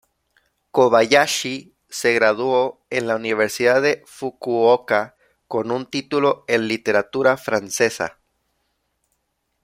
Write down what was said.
Kobayashi se graduó en la universidad de Fukuoka con un título en literatura francesa.